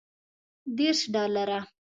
دېرش ډالره.